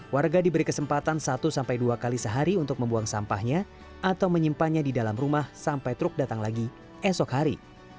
warga diberi kesempatan satu sampai dua kali sehari untuk membuang sampahnya atau menyimpannya di dalam rumah sampai truk datang lagi esok hari